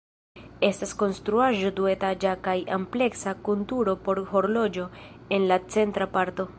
Estas konstruaĵo duetaĝa kaj ampleksa kun turo por horloĝo en la centra parto.